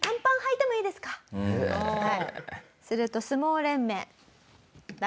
すると相撲連盟。